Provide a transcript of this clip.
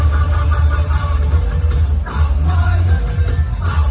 มันเป็นเมื่อไหร่แล้ว